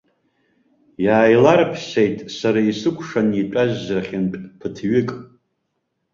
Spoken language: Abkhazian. Иааиларыԥсеит сара исыкәшан итәаз рахьынтә ԥыҭҩык.